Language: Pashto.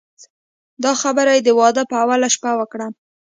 دا خبره یې د واده په اوله شپه وکړه.